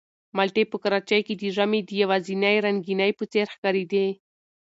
مالټې په کراچۍ کې د ژمي د یوازینۍ رنګینۍ په څېر ښکارېدې.